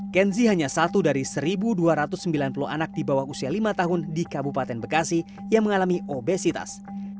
kenzi hanya satu dari satu dua ratus sembilan puluh anak di bawah usia lima tahun di kabupaten bekasi yang mengalami obesitas